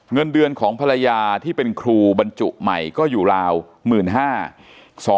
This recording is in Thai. เงินเดือนของภรรยาที่เป็นครูบรรจุใหม่ก็อยู่ราว๑๕๐๐บาท